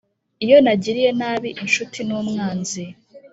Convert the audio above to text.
iyo nagiriye nabi inshuti n'umwanzi.